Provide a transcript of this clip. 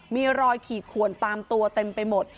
มีรอยขีดขวนตามตัวเต็มไปหมด